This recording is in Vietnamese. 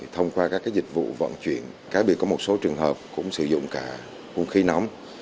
thông qua các dịch vụ vận chuyển có một số trường hợp cũng sử dụng cả khuôn khí nóng